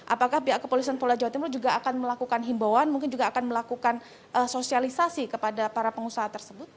apakah pihak kepolisian polda jawa timur juga akan melakukan himbauan mungkin juga akan melakukan sosialisasi kepada para pengusaha tersebut